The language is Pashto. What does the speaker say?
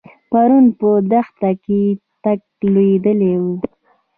پرون په دښته کې ټکه لوېدلې وه.